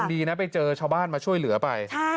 ดีนะไปเจอชาวบ้านมาช่วยเหลือไป